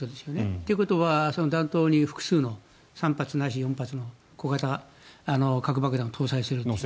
ということは弾頭に複数の３発ないし４発の小型核爆弾を搭載すると。